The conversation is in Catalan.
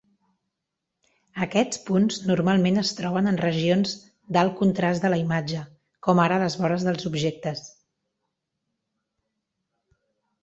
Aquests punts normalment es troben en regions d'alt contrast de la imatge, com ara les vores dels objectes.